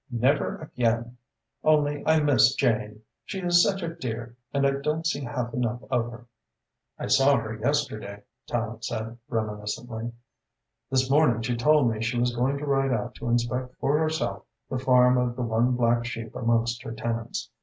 Never again! Only I miss Jane. She is such a dear and I don't see half enough of her." "I saw her yesterday," Tallente said reminiscently. "This morning she told me she was going to ride out to inspect for herself the farm of the one black sheep amongst her tenants.